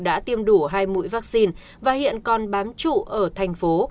đã tiêm đủ hai mũi vaccine và hiện còn bám trụ ở thành phố